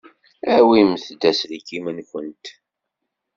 Awimt-d aselkim-nwent.